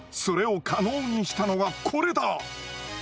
それを可能にしたのはこれだ！